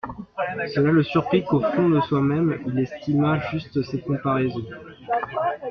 Cela le surprit qu'au fond de soi-même il estimât juste cette comparaison.